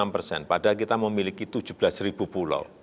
enam persen padahal kita memiliki tujuh belas ribu pulau